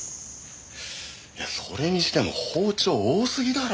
いやそれにしても包丁多すぎだろ。